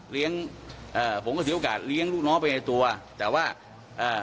เอ่อผมก็เสียโอกาสเลี้ยงลูกน้องไปในตัวแต่ว่าเอ่อ